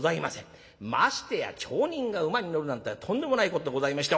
ましてや町人が馬に乗るなんてとんでもないことでございまして。